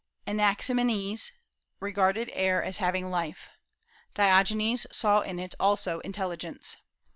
Anaximenes regarded air as having life; Diogenes saw in it also intelligence.